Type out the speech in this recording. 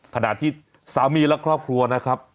ขณะที่สามีและครอบครัวนะครับ